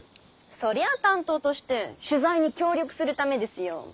そりゃあ担当として取材に協力するためですよォ。